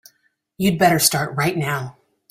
You'd better start right now.